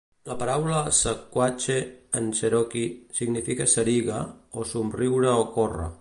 La paraula "sequachee" en cherokee significa "sariga" o "somriu o corre".